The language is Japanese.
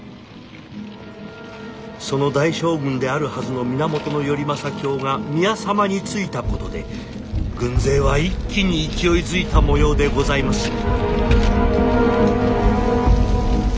「その大将軍であるはずの源頼政卿が宮様についたことで軍勢は一気に勢いづいた模様でございます」。